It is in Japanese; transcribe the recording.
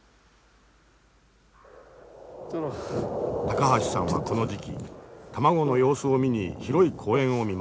高橋さんはこの時期卵の様子を見に広い公園を見回る。